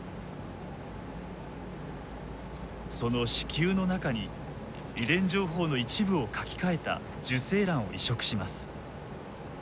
その子宮の中に遺伝情報の一部を書きかえた受精卵を移植します。